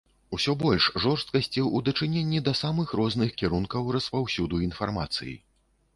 Усё больш жорсткасці ў дачыненні да самых розных кірункаў распаўсюду інфармацыі.